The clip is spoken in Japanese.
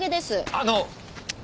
あの！